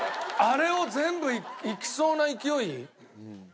あれを全部いきそうな勢い？